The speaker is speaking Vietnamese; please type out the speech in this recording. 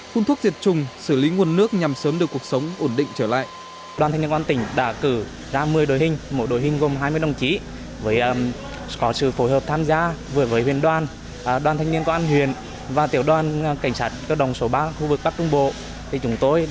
khuôn thuốc diệt trùng xử lý nguồn nước nhằm sớm đưa cuộc sống ổn định trở lại